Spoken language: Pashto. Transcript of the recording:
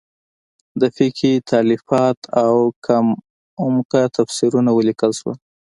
د فقهې تالیفات او کم عمقه تفسیرونه ولیکل شول.